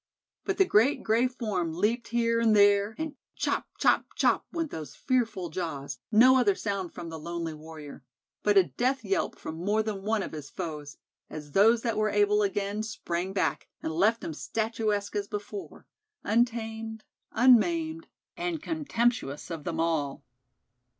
But the great gray form leaped here and there, and chop, chop, chop went those fearful jaws, no other sound from the lonely warrior; but a death yelp from more than one of his foes, as those that were able again sprang back, and left him statuesque as before, untamed, unmaimed, and contemptuous of them all.